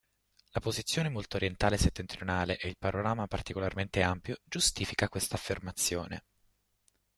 La posizione molto orientale e settentrionale e il panorama, particolarmente ampio, giustifica questa affermazione.